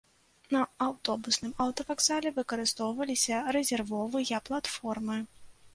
На аўтобусным аўтавакзале выкарыстоўваліся рэзервовыя платформы.